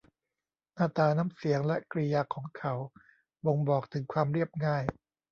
หน้าตา น้ำเสียง และกริยาของเขา บ่งบอกถึงความเรียบง่าย